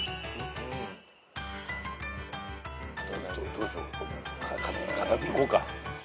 どうしよう堅くいこうか。